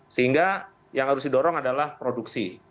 sehingga yang harus didorong adalah produksi